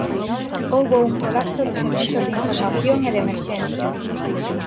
Houbo un colapso dos servizos de información e de emerxencias.